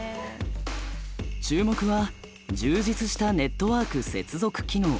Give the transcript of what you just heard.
注目は充実したネットワーク接続機能。